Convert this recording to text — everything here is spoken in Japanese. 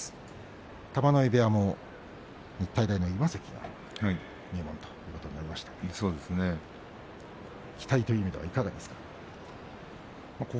玉ノ井部屋も日体大の今関がいるということで期待という意味ではいかがですか。